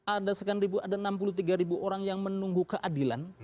ada enam puluh tiga ribu orang yang menunggu keadilan